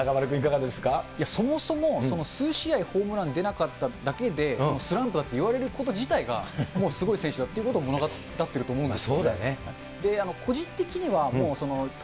そもそも、数試合ホームラン出なかっただけで、スランプだって言われること自体が、もうすごい選手だということを物語ってると思うんです。